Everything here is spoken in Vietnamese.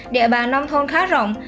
địa bàn nông thôn khá rộng